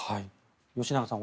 吉永さん